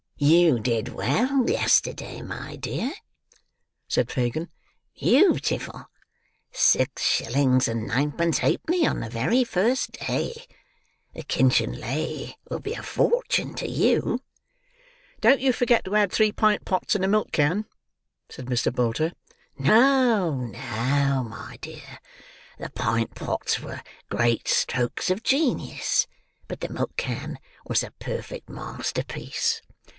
"You did well yesterday, my dear," said Fagin. "Beautiful! Six shillings and ninepence halfpenny on the very first day! The kinchin lay will be a fortune to you." "Don't you forget to add three pint pots and a milk can," said Mr. Bolter. "No, no, my dear. The pint pots were great strokes of genius: but the milk can was a perfect masterpiece."